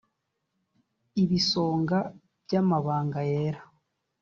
ibisonga by amabanga yera